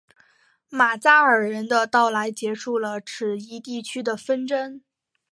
马扎尔人的到来结束了此一地区的纷争。